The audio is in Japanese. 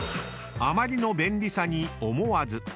［あまりの便利さに思わず］